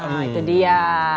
nah itu dia